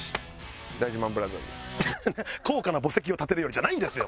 「高価な墓石を建てるより」じゃないんですよ。